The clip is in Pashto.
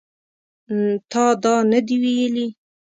تا دا نه دي ویلي